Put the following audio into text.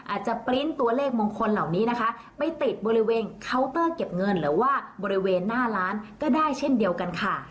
ปริ้นต์ตัวเลขมงคลเหล่านี้นะคะไปติดบริเวณเคาน์เตอร์เก็บเงินหรือว่าบริเวณหน้าร้านก็ได้เช่นเดียวกันค่ะ